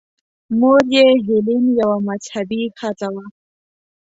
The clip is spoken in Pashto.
مور یې هیلین یوه مذهبي ښځه وه.